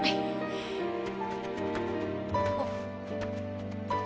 あっ。